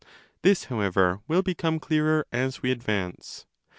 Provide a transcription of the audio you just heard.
This, however, will become clearer as we advance.